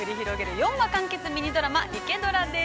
４話完結ミニドラマ、「イケドラ」です。